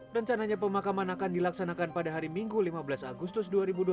rencananya pemakaman akan dilaksanakan pada hari minggu lima belas agustus dua ribu dua puluh